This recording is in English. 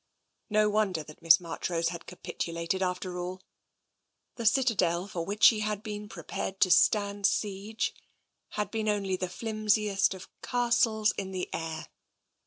No wonder that Miss Marchrose had capitulated, after all. The citadel for which she had been prepared to stand siege had been only the flimsiest of castles in the air.